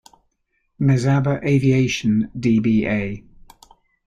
Mesaba Aviation, d.b.a.